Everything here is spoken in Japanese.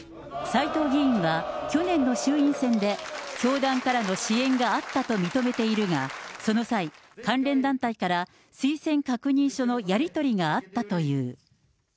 斎藤議員は、去年の衆院選で教団からの支援があったと認めているが、その際、関連団体から推薦確認書のやり取りがあったという。